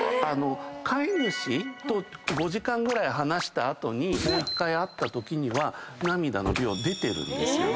飼い主と５時間ぐらい離した後もう１回会ったとき涙の量出てるんですよ。